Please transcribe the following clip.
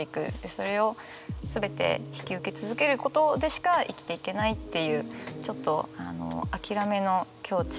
それを全て引き受け続けることでしか生きていけないっていうちょっと諦めの境地。